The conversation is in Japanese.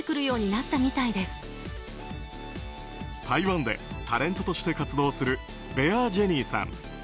台湾でタレントとして活動するベアー・ジェニーさん。